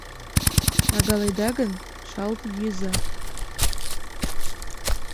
Пагаледа гын, шалт йӱза